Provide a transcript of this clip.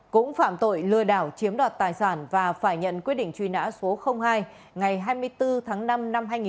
cũng phạm tội lừa đảo chiếm đoạt tài sản và phải nhận quyết định truy nã số hai ngày hai mươi bốn tháng năm năm hai nghìn một mươi ba